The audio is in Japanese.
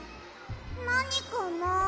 なにかな。